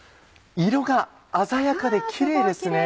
色が鮮やかでキレイですね。